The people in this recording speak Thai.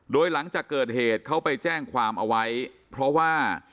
โดยหลังจากเกิดเหตุเขาไปแจ้งความเอาไว้เพราะว่า